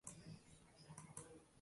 san’atga.